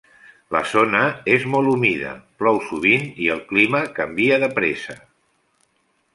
La zona és molt humida, plou sovint i el clima canvia de pressa.